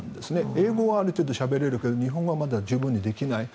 英語はある程度しゃべれるけど日本語は十分にできない。